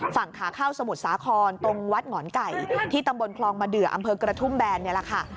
ฝั่งขาเข้าสมุทรสาครตรงวัดหมอนไก่ที่ตำบลคลองมาเดืออำเภอกระทุ่มแบนนี่แหละค่ะ